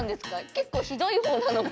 結構ひどい方なのか。